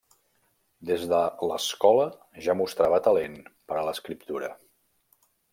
Des de l'escola ja mostrava talent per a l'escriptura.